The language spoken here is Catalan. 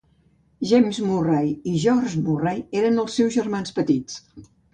James Murray i George Murray eren els seus germans petits.